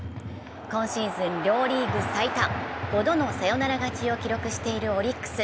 今シーズン両リーグ最多５度のサヨナラ勝ちを記録しているオリックス。